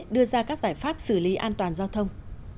đưa ra các giải pháp xử lý an toàn giao thông